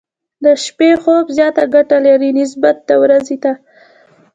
د شپې خوب زياته ګټه لري، نسبت د ورځې ته.